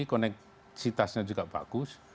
koneksitasnya juga bagus